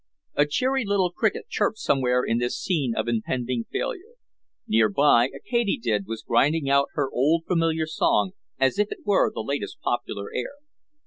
A cheery little cricket chirped somewhere in this scene of impending failure; nearby a katydid was grinding out her old familiar song as if it were the latest popular air.